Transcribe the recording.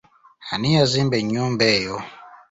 Ani yazimba ennyumba eyo?